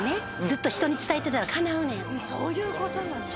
そういうことなのか。